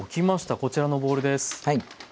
こちらのボウルです。